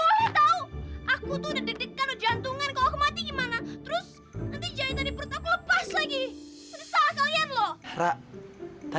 eh emak enak kenapa tadi masuk itu aja